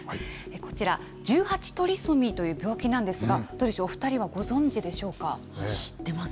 こちら、１８トリソミーという病気なんですが、どうでしょう、知ってます。